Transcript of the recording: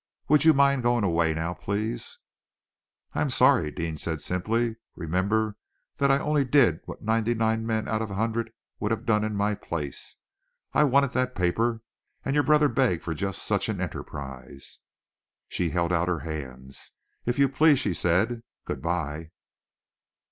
Would you mind going away now, please?" "I am sorry," Deane said simply. "Remember that I only did what ninety nine men out of a hundred would have done in my place. I wanted that paper, and your brother begged for just such an enterprise." She held out her hands. "If you please!" she said. "Good bye!"